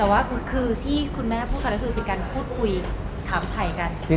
แต่ว่าคือที่คุณแม่พูดกันก็คือเป็นการพูดคุยถามถ่ายกัน